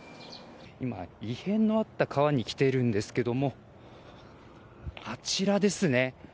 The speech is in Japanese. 異変のあった川に来ているんですけどもあちらですね。